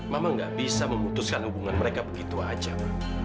mama nggak bisa memutuskan hubungan mereka begitu saja ma